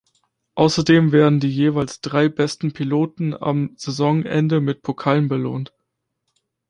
Außerdem werden die jeweils drei besten Piloten am Saisonende mit Pokalen belohnt.